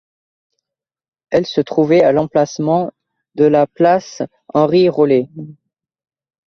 Elle se trouvait à l'emplacement de la place Henri-Rollet.